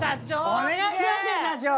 お願いしますよ社長！